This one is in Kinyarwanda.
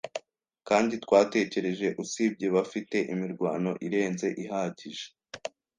kandi twatekereje, usibye, bafite imirwano irenze ihagije.